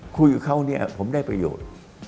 คุยกับเขาเนี่ยผมได้ประโยชน์